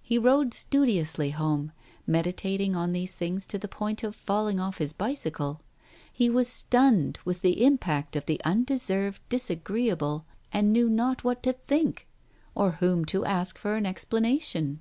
He rode studiously home, meditating on these things to the point of falling off his bicycle. He was stunned with the impact of the undeserved disagreeable, and knew Digitized by Google 290 TALES OF THE UNEASY not what to think or whom to ask for an explanation.